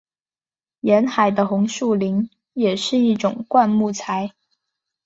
沿海的红树林也是一种灌木林。